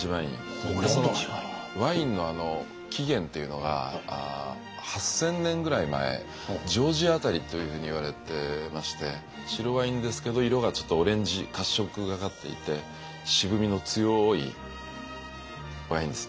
ワインの起源っていうのが８，０００年ぐらい前ジョージア辺りというふうにいわれてまして白ワインですけど色がちょっとオレンジ褐色がかっていて渋味の強いワインです。